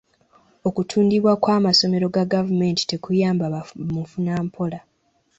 Okutundibwa kw'amasomero ga gavumenti tekuyamba bamufunampola.